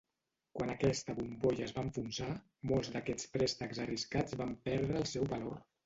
Quan aquesta bombolla es va enfonsar, molts d'aquests préstecs arriscats van perdre el seu valor.